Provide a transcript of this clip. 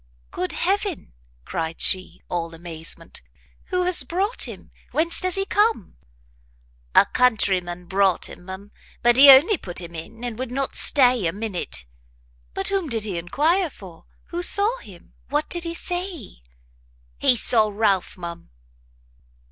"Good heaven," cried she, all amazement, "who has brought him? whence does he come?" "A country man brought him, ma'am; but he only put him in, and would not stay a minute." "But whom did he enquire for? who saw him? what did he say?" "He saw Ralph, ma'am."